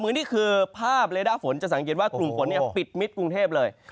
นี่คือภาพเลด้าฝนจะสังเกตว่ากลุ่มฝนปิดมิตรกรุงเทพเลย